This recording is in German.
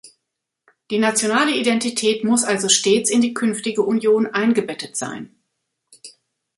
Die nationale Identität muss also stets in die künftige Union eingebettet sein.